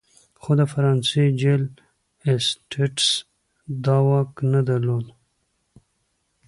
خو د فرانسې جل اسټټس دا واک نه درلود.